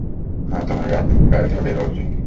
না, তোমার গাড়ি থেকে বের হওয়া উচিত।